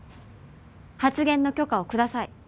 発言の許可をください。